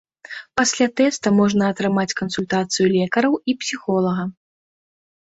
Пасля тэста можна атрымаць кансультацыю лекараў і псіхолага.